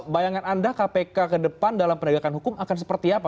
bayangan anda kpk ke depan dalam penegakan hukum akan seperti apa